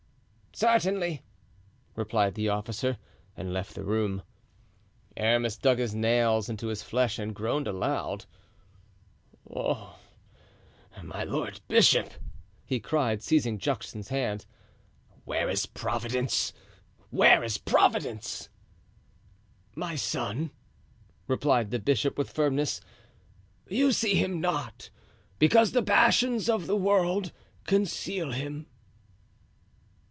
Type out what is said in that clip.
"Certainly," replied the officer, and left the room. Aramis dug his nails into his flesh and groaned aloud. "Oh! my lord bishop," he cried, seizing Juxon's hands, "where is Providence? where is Providence?" "My son," replied the bishop, with firmness, "you see Him not, because the passions of the world conceal Him."